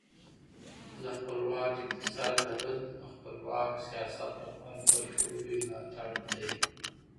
د خپلواک اقتصاد لرل د خپلواک سیاست لپاره تر ټولو لوی ملاتړ دی.